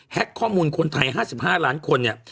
แฮกข้อมูลคนไทย๕๕ล้านคน